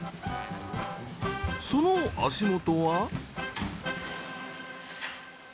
その足元は。